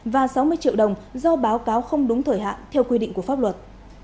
và sáu mươi triệu đồng do báo cáo không đúng thời hạn theo quy định của pháp luật